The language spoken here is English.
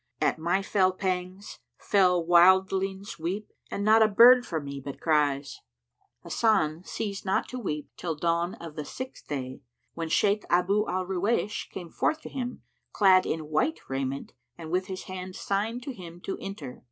At my fell pangs fell wildlings weep * And not a bird for me but cries." Hasan ceased not to weep till dawn of the sixth day, when Shaykh Abu al Ruwaysh came forth to him, clad in white raiment, and with his hand signed[FN#114] to him to enter.